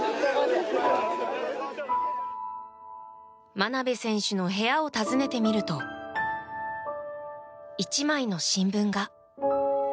真鍋選手の部屋を訪ねてみると、１枚の新聞が。